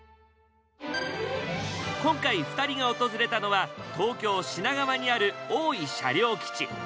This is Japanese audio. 今回２人が訪れたのは東京品川にある大井車両基地。